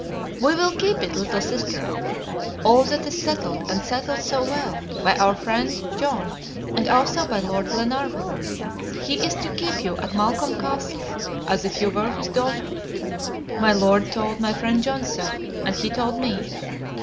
"We will keep it, little sister! All that is settled, and settled so well, by our friend John, and also by Lord Glenarvan. He is to keep you at Malcolm Castle as if you were his daughter. My Lord told my friend John so, and he told me.